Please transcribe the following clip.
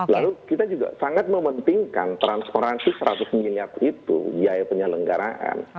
lalu kita juga sangat mementingkan transparansi seratus miliar itu biaya penyelenggaraan